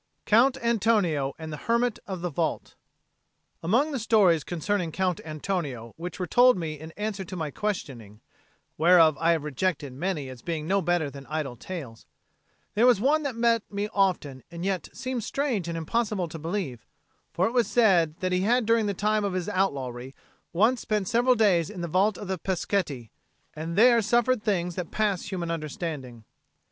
COUNT ANTONIO AND THE HERMIT OF THE VAULT. Among the stories concerning the Count Antonio which were told to me in answer to my questioning (whereof I have rejected many as being no better than idle tales), there was one that met me often and yet seemed strange and impossible to believe; for it was said that he had during the time of his outlawry once spent several days in the vault of the Peschetti, and there suffered things that pass human understanding.